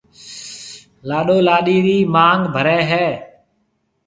لاڏو لاڏِي رِي مانگ ڀرَي ھيََََ